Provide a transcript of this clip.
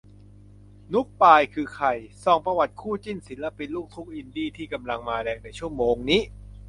นุ๊กปาย คือใคร ส่องประวัติคู่จิ้น ศิลปินลูกทุ่งอินดี้ที่กำลังมาแรงในชั่วโมงนี้